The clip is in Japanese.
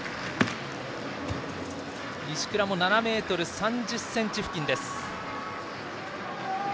石倉も７ｍ３０ｃｍ付近です。